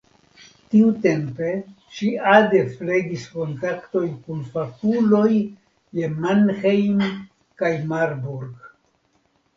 Tiutempe ŝi ade flegis kontaktojn kun fakuloj je Mannheim kaj Marburg.